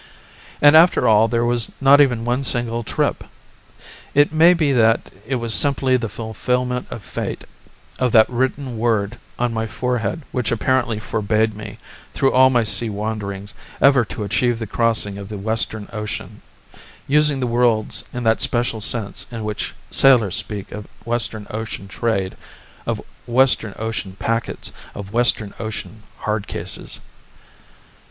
And after all there was not even one single trip. It may be that it was simply the fulfilment of a fate, of that written word on my forehead which apparently forbade me, through all my sea wanderings, ever to achieve the crossing of the Western Ocean using the words in that special sense in which sailors speak of Western Ocean trade, of Western Ocean packets, of Western Ocean hard cases.